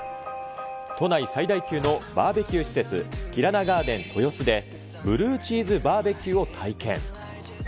都内最大級のバーベキュー施設、キラナガーデン豊洲で、ブルーチーズバーベキューを体験。